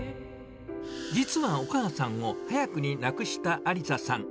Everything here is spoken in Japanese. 実はお母さんを早くに亡くしたありささん。